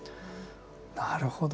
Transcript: なるほど。